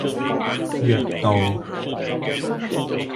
約道